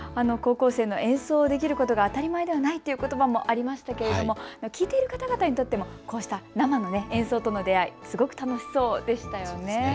高校生の演奏できることが当たり前ではないということばがありましたが聴いている方々にとっても生の演奏との出会い、楽しそうでした。